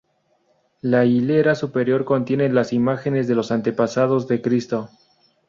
La hilera superior contiene las imágenes de los antepasados de Cristo.